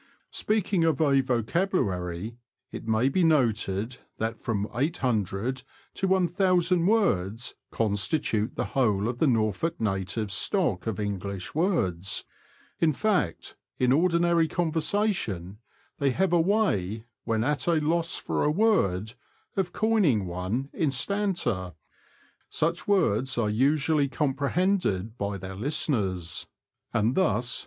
Speaking of a vocabulary, it may be noted that from 8oo to looo words constitute the whole of the Norfolk natives' stock of English words ; in fact, in ordinary conversation they have a way, when at a loss for a word, of coining one instanter ; such words are usually comprehended by their listeners, and thus , 256 THE LAND OF THE BROADS.